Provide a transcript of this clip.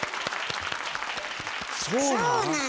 そうなん？